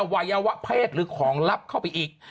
วัยวะเพศหรือของลับเข้าไปอีก